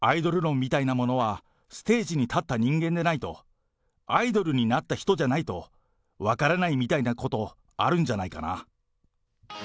アイドル論みたいなものは、ステージに立った人間でないと、アイドルになった人じゃないと分からないみたいなこと、あるんじゃないかな。